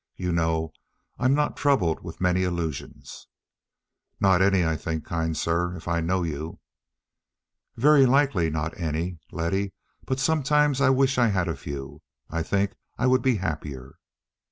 You know I'm not troubled with many illusions." "Not any, I think, kind sir, if I know you." "Very likely, not any, Letty; but sometimes I wish I had a few. I think I would be happier."